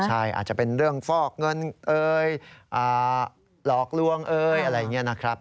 ใช่อาจจะเป็นเรื่องฟอกเงินหลอกลวงอะไรอย่างนี้นะครับ